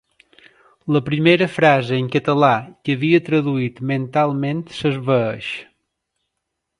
La primera frase en català que havia traduït mentalment s'esvaeix.